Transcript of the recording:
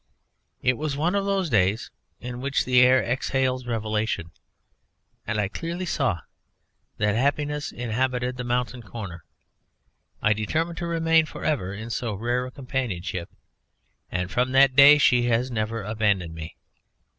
It was one of those days in which the air exhales revelation, and I clearly saw that happiness inhabited the mountain corner. I determined to remain for ever in so rare a companionship, and from that day she has never abandoned me.